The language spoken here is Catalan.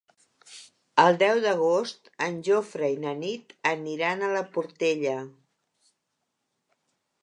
El deu d'agost en Jofre i na Nit aniran a la Portella.